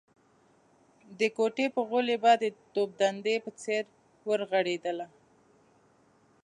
د کوټې په غولي به د توپ ډنډې په څېر ورغړېدله.